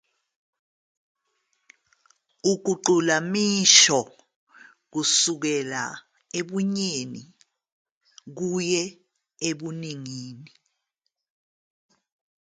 Uguqula imisho kusukela ebunyeni kuya ebuningini.